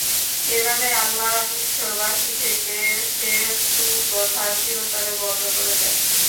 এভাবে আল্লাহ মিসরবাসী থেকে সে কুপ্রথা চিরতরে বন্ধ করে দেন।